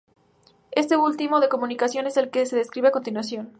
Este último tipo de comunicación es el que se describe a continuación.